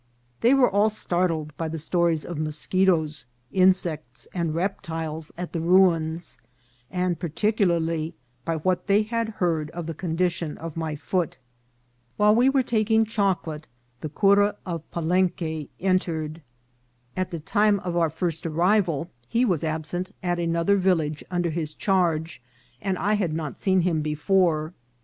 They were all start led by the stories of moschetoes, insects, and reptiles at the ruins, and particularly by what they had heard of the condition of my foot. While we were taking chocolate the cura of Palenque 328 INCIDENTS OF TRAVEL. entered. At the time of our first arrival he was absent at another village under his charge, and I had not seen him before.